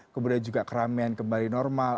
kemudian juga keramaian kembali normal